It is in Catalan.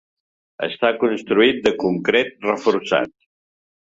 Està construït de concret reforçat.